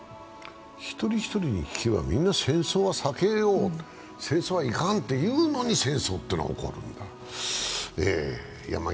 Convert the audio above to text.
ひとりひとりに聞けばみんな戦争は避けよう、戦争は行かんと言うのに戦争は起こるんだ。